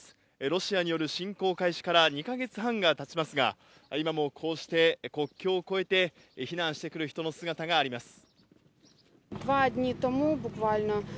ロシアによる侵攻開始から２か月半がたちますが、今もこうして国境を越えて避難してくる人の姿があります。